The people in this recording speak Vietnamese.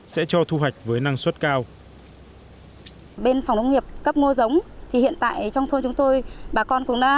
sẽ cho thu hoạch với năng suất cao